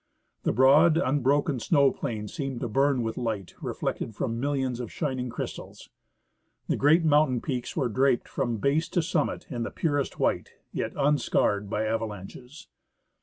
The broad unbroken snow plain seemed to burn with light reflected from millions of shining crystals. The great mountain peaks Avere draped from base to summit in the purest white, as yet unscarred by avalanches.